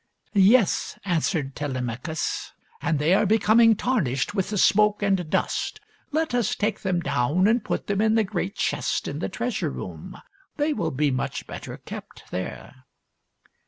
" Yes," answered Telemachus, " and they are becoming tarnished with the smoke and dust. Let us take them down and put them in the great chest in the treasure room. They will be much better kept there."